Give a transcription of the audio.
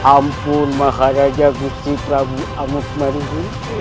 ampun maharaja gusti prabu ahmad marugod